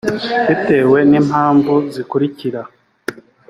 bitewe n’impamvu zikurikira